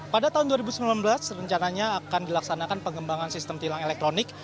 pada tahun dua ribu sembilan belas rencananya akan dilaksanakan pengembangan sistem tilang elektronik